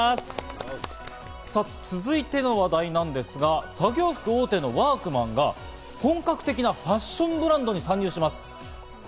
さぁ続いての話題なんですが、作業服大手のワークマンが本格的なファッションブランドに参入します。